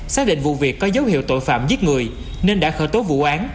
xác định vụ việc có dấu hiệu tội phạm giết người nên đã khởi tố vụ án